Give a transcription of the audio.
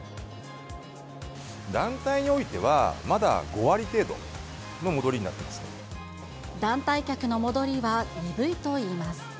団体においては、団体客の戻りは鈍いといいます。